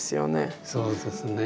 そうですね。